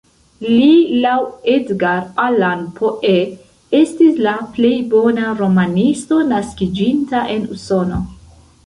Li laŭ Edgar Allan Poe estis la plej bona romanisto naskiĝinta en Usono.